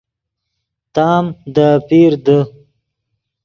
تام دے اپیر دے